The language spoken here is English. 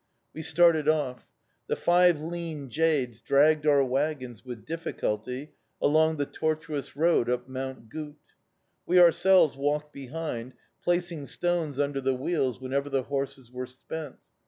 We started off. The five lean jades dragged our wagons with difficulty along the tortuous road up Mount Gut. We ourselves walked behind, placing stones under the wheels whenever the horses were spent.